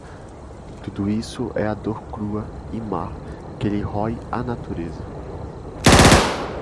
tudo isso é a dor crua e má que lhe rói à Natureza